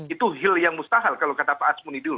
itu hil yang mustahil kalau kata pak asmuni dulu